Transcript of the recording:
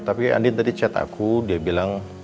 tapi andin tadi chat aku dia bilang